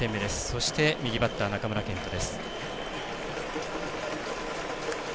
そして、右バッター、中村健人。